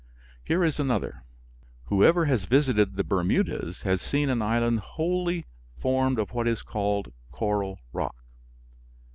Here is another. Whoever has visited the Bermudas has seen an island wholly formed of what is called coral rock.